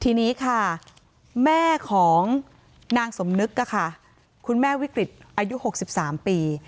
ทีนี้ค่ะแม่ของนางสมนึกค่ะค่ะคุณแม่วิกฤตอายุหกสิบสามปี